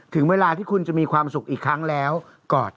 ถึงเวลาที่คุณจะมีความสุขอีกครั้งแล้วกอด